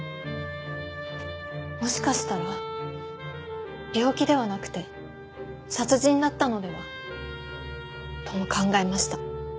もしかしたら病気ではなくて殺人だったのでは？とも考えました。